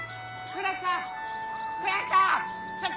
倉木さん！